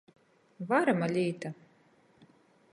Varama līta!